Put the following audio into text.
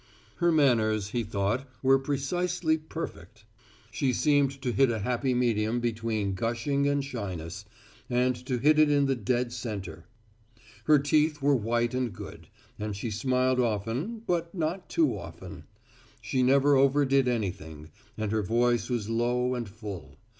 Her manners, he thought, were precisely perfect. She seemed to hit a happy medium between gushing and shyness, and to hit it in the dead center. Her teeth were white and good, and she smiled often, but not too often. She never overdid anything, and her voice was low and full.